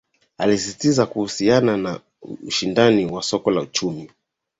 Alisisitiza kuhusiana na ushindani wa soko la uchumi